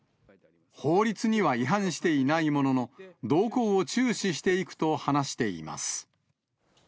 法律には違反していないものの、動向を注視していくと話しています。